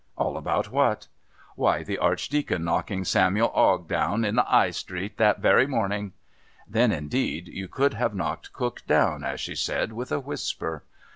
All about what? Why, the Archdeacon knocking Samuel 'Ogg down in the 'Igh Street that very morning! Then, indeed, you could have knocked Cook down, as she said, with a whisper.